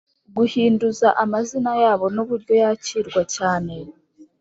Guhinduza amazina yabo n’ uburyo yakirwa cyane